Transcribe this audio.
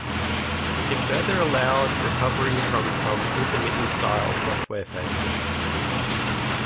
It further allowed recovery from some intermittent-style software failures.